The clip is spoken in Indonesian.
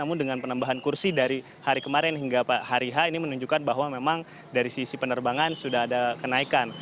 namun dengan penambahan kursi dari hari kemarin hingga hari h ini menunjukkan bahwa memang dari sisi penerbangan sudah ada kenaikan